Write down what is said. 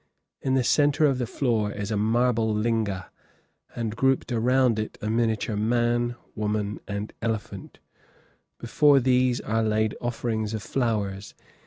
In the centre of the floor is a marble linga, and grouped around it a miniature man, woman, and elephant; before these are laid offerings of flowers.